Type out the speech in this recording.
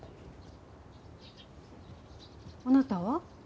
あなたは？